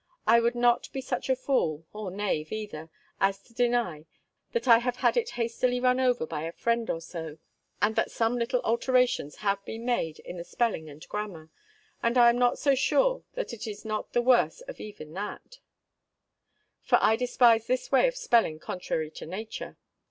I would not be such a fool, or knave either, as to deny that I have had it hastily run over by a friend or so, and that some little alterations have been made in the spelling and grammar; and I am not so sure that it is not the worse of even that, for I despise this way of spelling contrary to nature.